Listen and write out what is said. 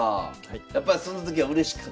やっぱりその時はうれしかった？